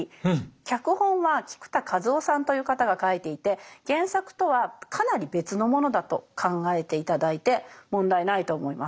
脚本は菊田一夫さんという方が書いていて原作とはかなり別のものだと考えて頂いて問題ないと思います。